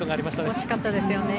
惜しかったですよね。